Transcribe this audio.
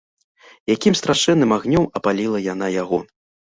Якім страшэнным агнём апаліла яна яго!